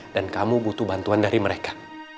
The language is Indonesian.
dan kamu butuh bantuan dari mereka